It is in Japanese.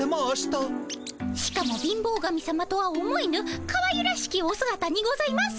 しかも貧乏神さまとは思えぬかわゆらしきおすがたにございます。